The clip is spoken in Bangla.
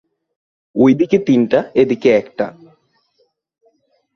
ঐদিকে তিনটা, এদিকে একটা।